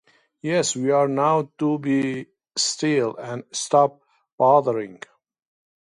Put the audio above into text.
Yes, we are; now do be still, and stop bothering.